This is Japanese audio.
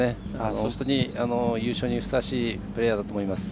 本当に優勝にふさわしいプレーヤーだと思います。